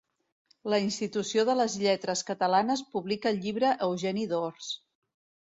La Institució de les Lletres Catalanes publica el llibre Eugeni d'Ors.